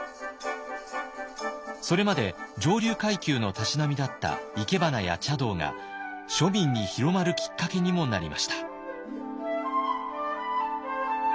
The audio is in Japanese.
それまで上流階級のたしなみだった生け花や茶道が庶民に広まるきっかけにもなりました。